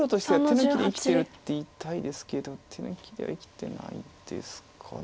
手抜きで生きてるって言いたいですけど手抜きでは生きてないですか。